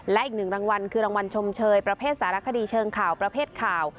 และอีกหนึ่งรางวัลคือรางวัลชมเชยประเภทสารคดีเชิงข่าวประเภทข่าว